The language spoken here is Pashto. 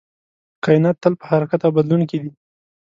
کائنات تل په حرکت او بدلون کې دی.